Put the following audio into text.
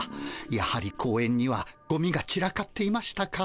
やはり公園にはゴミがちらかっていましたか。